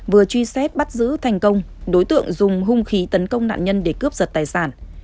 vừa truy xét bắt giữ thành công đối tượng dùng hung khí tấn công nạn nhân để cướp giật tài sản